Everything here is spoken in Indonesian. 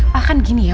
bahkan gini ya